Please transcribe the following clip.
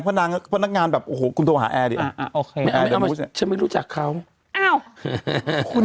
คนงานหกสิบคน